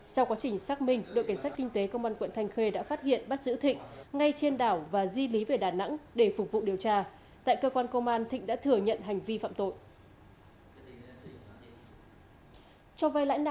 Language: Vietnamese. sau quá trình xác minh đội cảnh sát kinh tế công an quận thanh khê đã phát hiện bắt giữ thịnh ngay trên đảo và di lý về đà nẵng để phục vụ điều tra tại cơ quan công an thịnh đã thừa nhận hành vi phạm tội